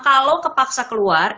kalau kepaksa keluar